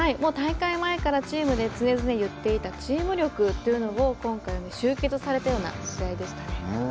大会前からチームで常々言っていたチーム力というのを今回集結されたような試合でしたね。